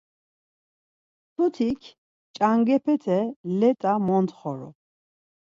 Mtutik ç̌angepete let̆a montxoru.